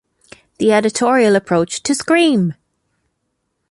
The editorial approach to Scream!